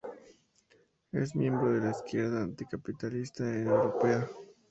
Es miembro de la Izquierda Anticapitalista Europea.